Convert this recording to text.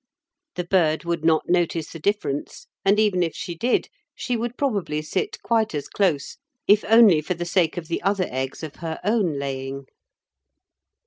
The bird would not notice the difference, and, even if she did, she would probably sit quite as close, if only for the sake of the other eggs of her own laying.